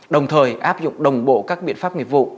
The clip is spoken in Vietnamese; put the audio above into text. đồng thời áp dụng đồng bộ các biện pháp nghiệp vụ